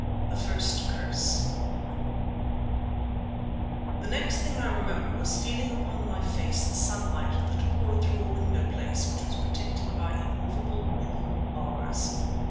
THE FIRST CURSE The next thing I remember was feeling upon my face the sunlight that poured through a window place which was protected by immovable wooden bars.